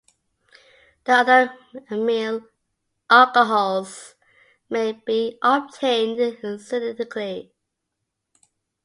The other amyl alcohols may be obtained synthetically.